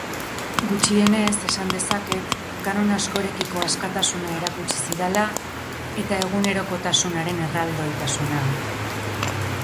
Gutxienez, esan dezaket, kanon askorekiko askatasuna erakutsi zidala eta egunerokotasunaren erraldoitasuna.